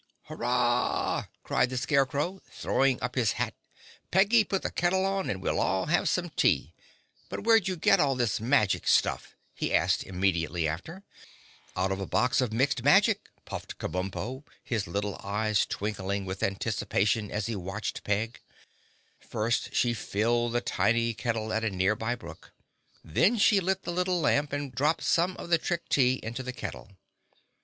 "Hurrah!" cried the Scarecrow, throwing up his hat. "Peggy, put the kettle on and we'll all have some tea! But where'd you get all this magic stuff?" he asked immediately after. "Out of a box of Mixed Magic," puffed Kabumpo, his little eyes twinkling with anticipation as he watched Peg. First she filled the tiny kettle at a near by brook; then she lit the little lamp and dropped some of the Trick Tea into the kettle.